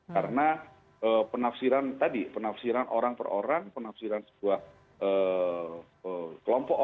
karena penafsiran tadi penafsiran orang per orang penafsiran sebuah kelompok orang